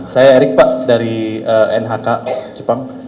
saya erik pak dari nhk jepang